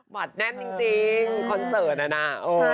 บัตรแน่นจริงคอนเสิร์ตนั้น